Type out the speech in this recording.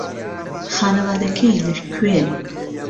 خانەوادەکەی لەکوێن؟